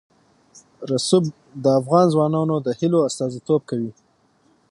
رسوب د افغان ځوانانو د هیلو استازیتوب کوي.